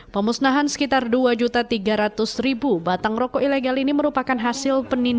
pemusnahan sekitar dua tiga ratus batang rokok ilegal ini merupakan hal yang sangat menarik